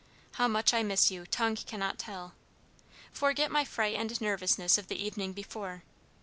How much I miss you, tongue cannot tell. Forget my fright and nervousness of the evening before.